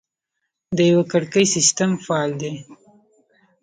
د یوه کړکۍ سیستم فعال دی؟